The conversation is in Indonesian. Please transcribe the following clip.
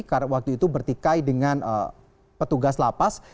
karena waktu itu bertikai dengan petugas lapas